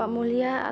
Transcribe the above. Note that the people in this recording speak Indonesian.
aku dism oooh pria